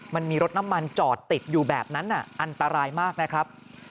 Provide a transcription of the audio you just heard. มันมีรถน้ำมันจอดติดอยู่แบบนั้นอันตรายมากนะครับ